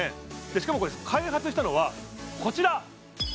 しかもこれ開発したのはこちら！